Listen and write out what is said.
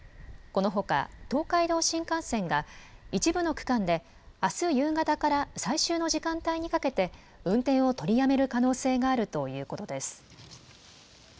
このほか、東海道新幹線が一部の区間で、あす夕方から最終の時間帯にかけて、運転を取りやめる可能性があるということです。